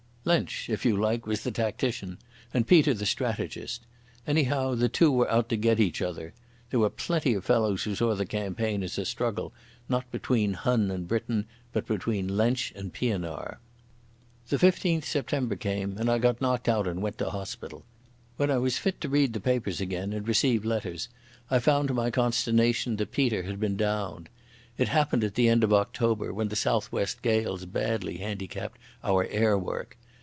Lensch, if you like, was the tactician and Peter the strategist. Anyhow the two were out to get each other. There were plenty of fellows who saw the campaign as a struggle not between Hun and Briton, but between Lensch and Pienaar. The 15th September came, and I got knocked out and went to hospital. When I was fit to read the papers again and receive letters, I found to my consternation that Peter had been downed. It happened at the end of October when the southwest gales badly handicapped our airwork.